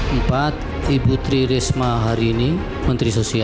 empat ibu tri risma harini menteri sosial